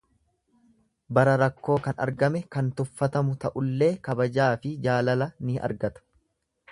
Bara rakkoo kan argame kan tuffatamu ta'ullee kabajaafi jaalala ni argata.